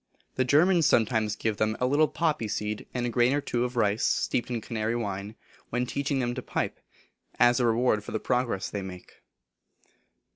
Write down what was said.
The Germans sometimes give them a little poppy seed, and a grain or two of rice, steeped in Canary wine, when teaching them to pipe, as a reward for the progress they make.